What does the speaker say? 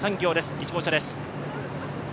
１号車です。